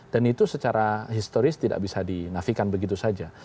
dan itu secara historis tidak bisa dinafikan begitu saja